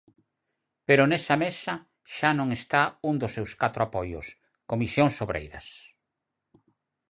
Pero nesa mesa xa non está un dos seus catro apoios: Comisións Obreiras.